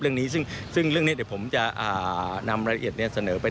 เรื่องนี้ซึ่งเรื่องนี้เดี๋ยวผมจะนำรายละเอียดเสนอไป